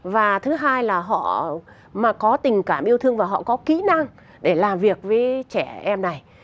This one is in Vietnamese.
và thứ hai là họ có tình cảm yêu thương và họ có kỹ năng để làm việc với trẻ em này